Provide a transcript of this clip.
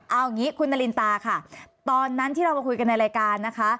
เอาอย่างนี้คุณนารินตาค่ะตอนนั้นที่เรามาคุยกันในรายการนะคะ